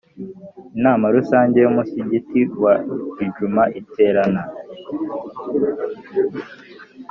Inama Rusange y Umusigiti wa Idjuma iterana